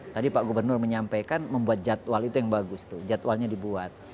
tadi pak gubernur menyampaikan membuat jadwal itu yang bagus tuh jadwalnya dibuat